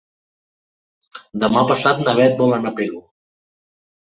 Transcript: Demà passat na Bet vol anar a Pego.